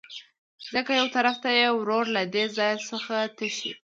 ځکه يوطرف ته يې ورور له دې ځاى څخه تښى وو.